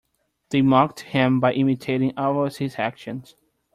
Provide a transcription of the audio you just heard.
They mocked him by imitating all of his actions.